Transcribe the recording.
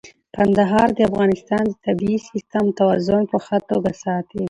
کندهار د افغانستان د طبیعي سیسټم توازن په ښه توګه ساتي.